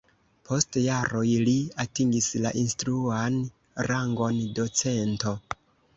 Post jaroj li atingis la instruan rangon docento.